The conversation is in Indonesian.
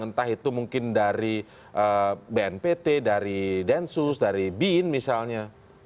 entah itu mungkin dari bnpt dari densus dari bin misalnya